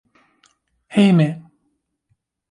hejme